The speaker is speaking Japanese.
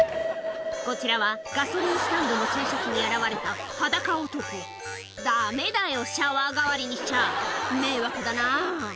こちらはガソリンスタンドの洗車機に現れた裸男ダメだよシャワー代わりにしちゃ迷惑だなぁ